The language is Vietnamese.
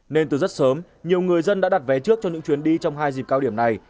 nên từ rất sớm nhiều người dân đã đặt vé trước cho những chuyến đi trong hai dịp cao điểm này